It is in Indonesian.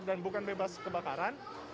dan bukan bebas kebakaran